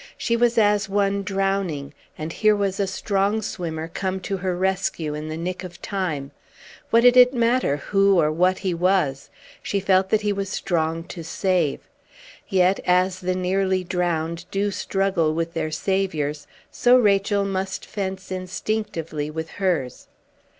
She was as one drowning, and here was a strong swimmer come to her rescue in the nick of time. What did it matter who or what he was? She felt that he was strong to save. Yet, as the nearly drowned do struggle with their saviours, so Rachel must fence instinctively with hers.